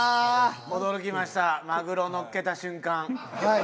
驚きましたマグロをのっけた瞬間。